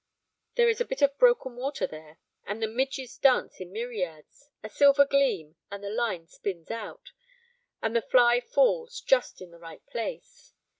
There is a bit of broken water there, and the midges dance in myriads; a silver gleam, and the line spins out, and the fly falls just in the right place.